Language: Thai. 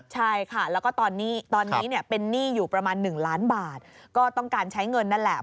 ใช่ค่ะแล้วก็ตอนนี้เนี่ยเป็นหนี้อยู่ประมาณ๑ล้านบาทก็ต้องการใช้เงินนั่นแหละ